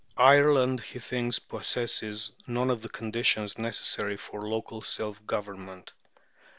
Ireland, he thinks, "possesses none of the conditions necessary for local self government."